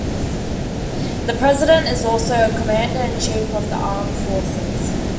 The president is also the commander-in-chief of the Armed Forces.